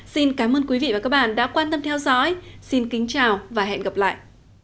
xin cảm ơn quý vị và các bạn đã quan tâm theo dõi xin kính chào và hẹn gặp lại